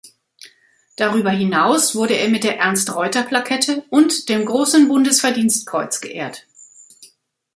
Darüber hinaus wurde er mit der Ernst-Reuter-Plakette und dem Großen Bundesverdienstkreuz geehrt.